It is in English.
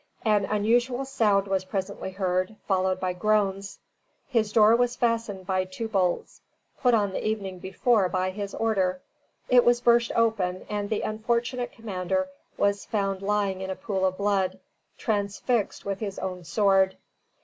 An unusual sound was presently heard, followed by groans. His door was fastened by two bolts, put on the evening before by his order. It was burst open, and the unfortunate commander was found lying in a pool of blood, transfixed with his own sword.